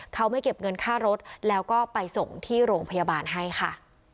เขาไม่เก็บเงินค่ารถแล้วก็ไปส่งที่โรงพยาบาลให้ค่ะ